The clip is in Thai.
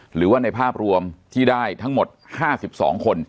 หรือว่าในภาพรวมที่ได้ทั้งหมด๕๒คน